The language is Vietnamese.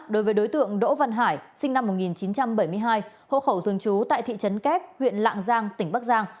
đối với đối tượng đỗ văn hải sinh năm một nghìn chín trăm bảy mươi hai hộ khẩu thường trú tại thị trấn kép huyện lạng giang tỉnh bắc giang